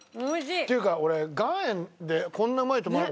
っていうか俺岩塩でこんなうまいと思わない。